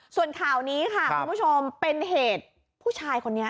ส่วนข่าวนี้ค่ะคุณผู้ชมเป็นเหตุผู้ชายคนนี้